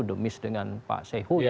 demis dengan pak sehuda